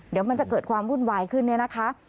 เดี๋ยวมันจะเกิดความวุ่นวายขึ้นเนี่ยนะคะ